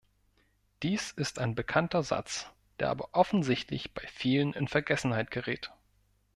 Dies ist ein bekannter Satz, der aber offensichtlich bei vielen in Vergessenheit gerät.